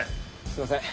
すいません。